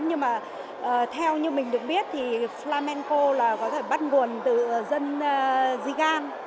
nhưng mà theo như mình được biết thì flamenco là có thể bắt nguồn từ dân zigan